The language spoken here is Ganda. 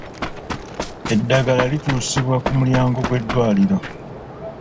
Eddagala lituusibwa ku mulyango gw'eddwaliro.